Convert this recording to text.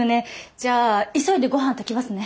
じゃあ急いでごはん炊きますね。